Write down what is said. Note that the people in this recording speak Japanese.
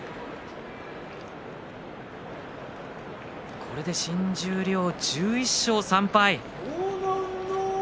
これで新十両１１勝３敗。